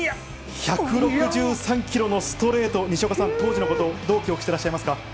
１６３キロのストレート、西岡さん、当時のこと、どう記憶していらっしゃいますか。